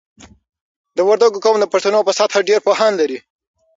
د وردګو قوم د پښتنو په سطحه ډېر پوهان لري.